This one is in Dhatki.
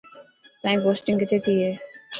تائين پوسٽنگ ڪٿي ٿي هي.